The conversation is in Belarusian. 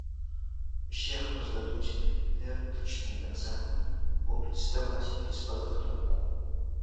Усе, хто здадуць тэарэтычны экзамен, будуць здаваць фізпадрыхтоўку.